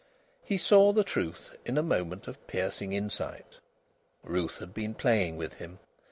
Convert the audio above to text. He saw the truth in a moment of piercing insight. Ruth had been playing with him!